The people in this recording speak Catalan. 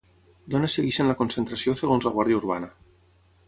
Dones segueixen la concentració segons la Guàrdia Urbana.